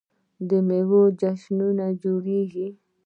د میوو جشنونه جوړیږي.